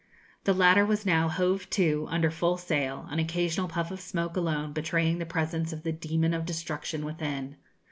The latter was now hove to, under full sail, an occasional puff of smoke alone betraying the presence of the demon of destruction within.